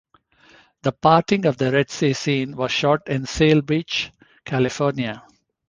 The parting of the Red Sea scene was shot in Seal Beach, California.